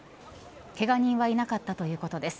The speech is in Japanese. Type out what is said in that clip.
ケガ人はいなかったということです。